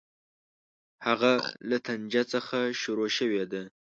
هغه له طنجه څخه شروع شوې ده.